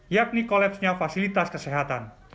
yakni kolapsnya fasilitas kesehatan